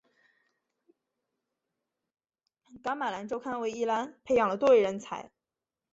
噶玛兰周刊为宜兰培养了多位人才。